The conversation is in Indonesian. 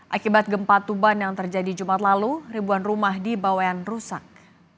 akibat gempa tuban yang terjadi jumat lalu ribuan rumah di bawean rusak